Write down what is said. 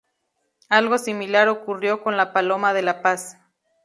Algo similar ocurrió con "La paloma de la paz".